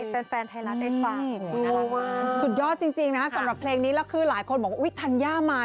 เป็นภาพที่เติมมาแมนเหลือเชียงตัวเขา